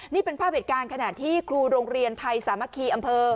นี่เป็นภาพเหตุการณ์ขณะที่ครูโรงเรียนไทยสามัคคีอำเภอ